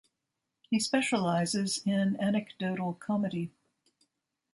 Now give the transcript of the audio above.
He specializes in anecdotal comedy.